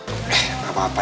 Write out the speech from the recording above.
udah gapapa ian